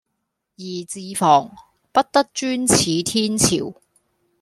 宜自防，不得專恃天朝